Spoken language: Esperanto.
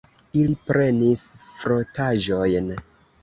Ili prenis frotaĵojn.